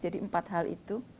jadi empat hal itu